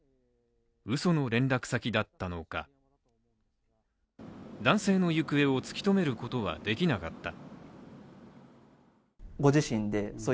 うその連絡先だったのか男性の行方を突き止めることはできなかった。